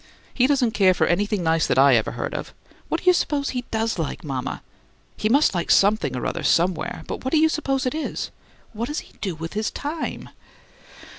He doesn't care for anything nice that I ever heard of. What do you suppose he does like, mama? He must like something or other somewhere, but what do you suppose it is? What does he do with his time?"